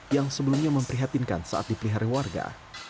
yang sebelumnya memprihatinkan saat dipelihara warga